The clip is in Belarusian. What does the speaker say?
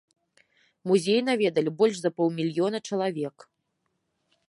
Музей наведалі больш за паўмільёна чалавек.